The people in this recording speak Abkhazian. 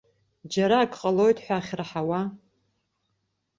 Џьара ак ҟалоит ҳәа ахьраҳауа.